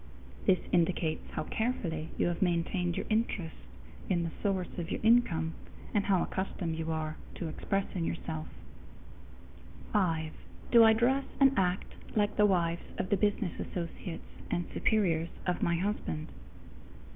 _ This indicates how carefully you have maintained your interest in the source of your income, and how accustomed you are to expressing yourself. _5. Do I dress and act like the wives of the business associates and superiors of my husband?